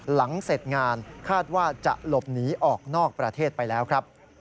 หลังเสร็จงานคาดว่าจะหลบหนีออกนอกประเทศไปแล้วครับ